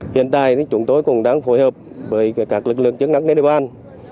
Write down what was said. hiện tại chúng tôi cũng đang phối hợp với các lực lượng chức năng nền đề ban